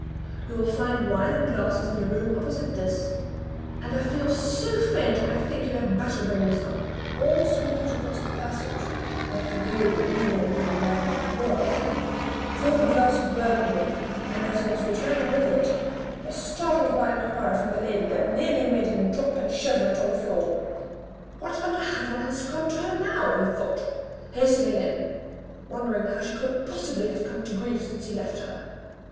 You will find wine and glasses in the room opposite this, and I feel so faint that I think you had better bring me some." Ormiston moved across the passage, like the good, obedient young man that he was, filled a glass of Burgundy, and as he was returning with it, was startled by a cry from the lady that nearly made him drop and shiver it on the floor. "What under heaven has come to her now?" he thought, hastening in, wondering how she could possibly have come to grief since he left her.